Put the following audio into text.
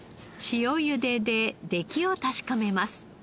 塩ゆでで出来を確かめます。